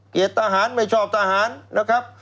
เกียรติตาหารไม่ชอบตาหารนะครับ